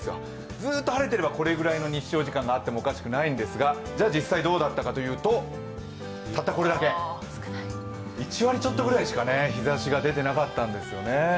ずーっと晴れていればこれぐらいの日照時間があってもおかしくないんですが、じゃあ実際どうだったかというとたったこれだけ１割ちょっとぐらいしか、日ざしが出てなかったんですよね。